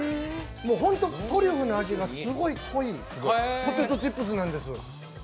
ホント、トリュフの味がすごい濃いポテトチップスなんです。